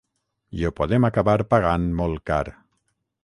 I ho podem acabar pagant molt car.